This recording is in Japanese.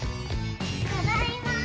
ただいまー！